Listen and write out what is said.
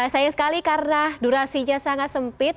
sayang sekali karena durasinya sangat sempit